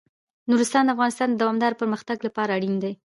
نورستان د افغانستان د دوامداره پرمختګ لپاره اړین دي.